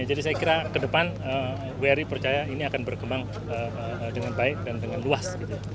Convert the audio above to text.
jadi saya kira kedepan wri percaya ini akan berkembang dengan baik dan dengan luas